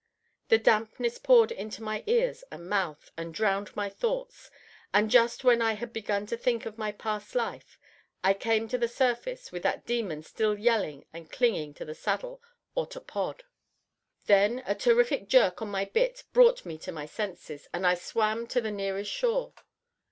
The dampness poured into my ears and mouth and drowned my thoughts, and just when I had begun to think of my past life, I came to the surface with that demon still yelling and clinging to the saddle or to Pod. Then a terrific jerk on my bit brought me to my senses, and I swam to the nearest shore.